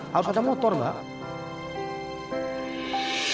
harus ada motor mbak